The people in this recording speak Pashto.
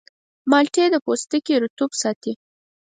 مالټې د پوستکي رطوبت ساتي.